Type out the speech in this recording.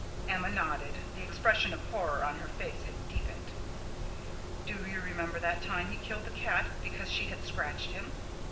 Emma nodded. The expression of horror on her face had deepened. "Do you remember that time he killed the cat because she had scratched him?"